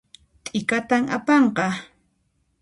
T'ikatan apanqa